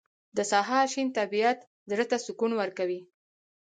• د سهار شین طبیعت زړه ته سکون ورکوي.